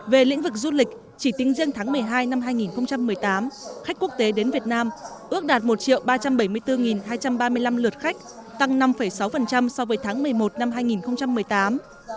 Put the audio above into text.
về lĩnh vực du lịch chỉ tính riêng tháng một mươi hai năm hai nghìn một mươi tám khách quốc tế đến việt nam ước đạt một ba trăm bảy mươi bốn hai trăm ba mươi năm lượt khách tăng năm sáu so với tháng một mươi một năm hai nghìn một mươi tám